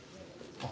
あっ！